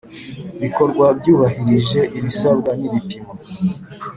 bikorwa byubahirije ibisabwa n ibipimo